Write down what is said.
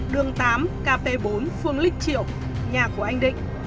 đường tám kp bốn phương linh triệu nhà của anh định